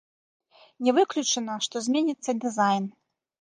Не выключана, што зменіцца дызайн.